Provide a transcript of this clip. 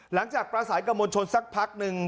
หลังจากประสาทกับมวลชนสักพักหนึ่ง